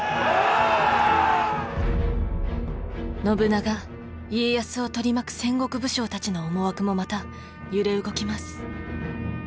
信長家康を取り巻く戦国武将たちの思惑もまた揺れ動きます。